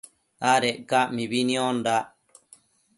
Adec ca mibi niondandac